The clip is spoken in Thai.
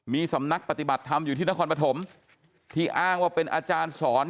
มีสำนักปฏิบัติธรรมอยู่ที่นครปฐมที่อ้างว่าเป็นอาจารย์สอน